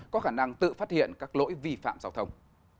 có khả năng tự phát hiện các lỗi vi phạm giao thông